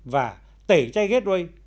và tẩy chay gateway